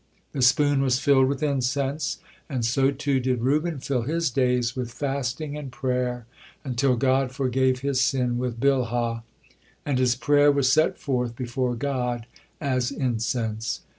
The spoon was filled with incense, and so too did Reuben fill his days with fasting and prayer until God forgave his sin with Billhah, and "his prayer was set forth before God as incense."